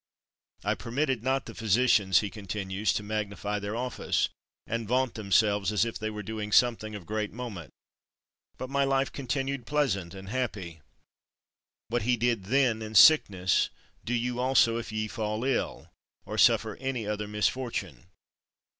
I permitted not the physicians," he continues, "to magnify their office, and vaunt themselves as if they were doing something of great moment, but my life continued pleasant and happy." What he did then, in sickness, do you also if ye fall ill, or suffer any other misfortune.